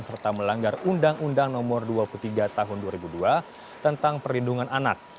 serta melanggar undang undang no dua puluh tiga tahun dua ribu dua tentang perlindungan anak